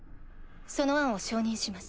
その案を承認します。